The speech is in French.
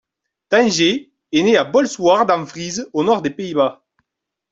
Tanjé est né à Bolsward en Frise, au nord des Pays-Bas.